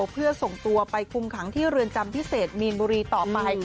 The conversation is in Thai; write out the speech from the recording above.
เพื่อส่งตัวไปคุมขังที่เรือนจำพิเศษมีนบุรีต่อไป